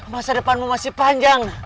masa depanmu masih panjang